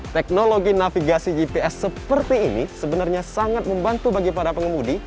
teknologi navigasi gps seperti ini sebenarnya sangat membantu bagi para pengemudi